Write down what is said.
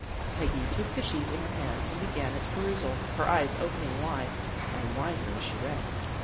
" Peggy took the sheet in her hand, and began its perusal, her eyes opening wide and wider as she read.